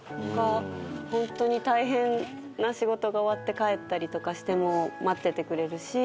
ホントに大変な仕事が終わって帰ったりとかしても待っててくれるし。